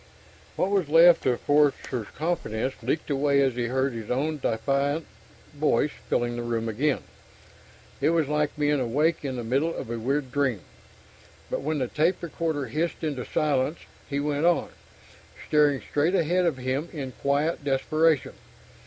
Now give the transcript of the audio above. What was left of Forster's confidence leaked away as he heard his own diffident voice filling the room again. It was like being awake in the middle of a weird dream. But when the tape recorder hissed into silence, he went on, staring straight ahead of him in quiet desperation.